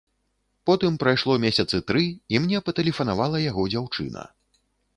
Потым прайшло месяцы тры, і мне патэлефанавала яго дзяўчына.